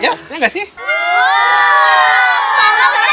selamat datang ke kalian juga